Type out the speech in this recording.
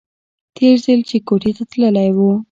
تېر ځل چې کوټې ته تللى و.